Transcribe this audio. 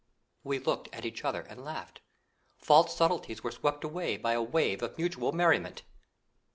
We looked at each other and laughed; false subtleties were swept away by a wave of mutual merriment.